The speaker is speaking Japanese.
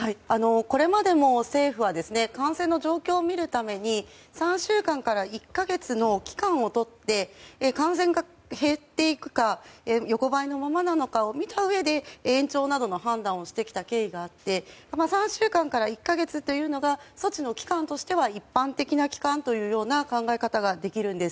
これまでも、政府は感染の状況を見るために３週間から１か月の期間をとって感染が減っていくか横ばいのままなのかを見たうえで、延長などの判断をしてきた経緯があって３週間から１か月というのが措置の期間としては一般的な期間というような考え方ができるんです。